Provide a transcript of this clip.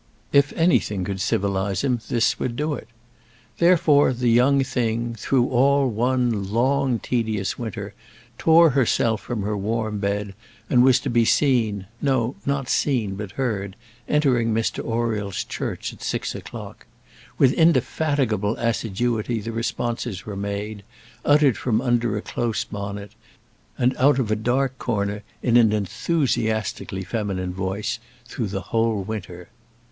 If anything could civilise him, this would do it. Therefore, the young thing, through all one long, tedious winter, tore herself from her warm bed, and was to be seen no, not seen, but heard entering Mr Oriel's church at six o'clock. With indefatigable assiduity the responses were made, uttered from under a close bonnet, and out of a dark corner, in an enthusiastically feminine voice, through the whole winter.